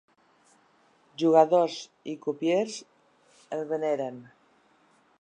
Jugadors i crupiers el veneren.